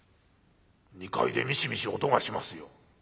２階でミシミシ音がしますよ。